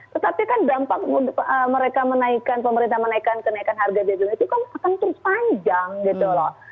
tetapi kan dampak mereka menaikkan pemerintah menaikkan kenaikan harga bbm itu kan akan terus panjang gitu loh